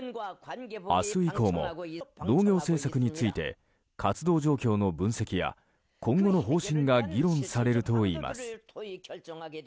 明日以降も農業政策について活動状況の分析や今後の方針が議論されるといいます。